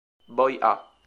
Boy A